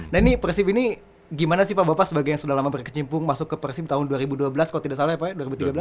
nah ini persib ini gimana sih pak bapak sebagai yang sudah lama berkecimpung masuk ke persib tahun dua ribu dua belas kalau tidak salah ya pak ya